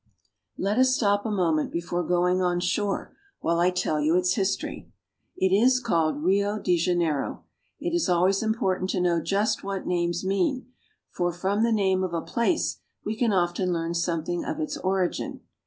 Let us stop a moment before going on shore, while I tell you its history. It is called Rio de Janeiro. It is always important to know just what names mean, for from the name of a place we can often learn something of its origin.